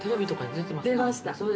出ました。